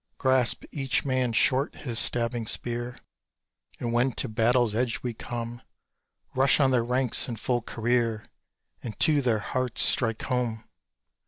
Grasp each man short his stabbing spear And, when to battle's edge we come, Rush on their ranks in full career, And to their hearts strike home!